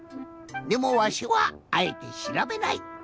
でもわしはあえてしらべない。